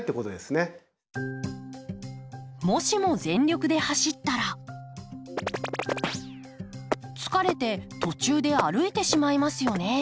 もしも全力で走ったら疲れて途中で歩いてしまいますよね。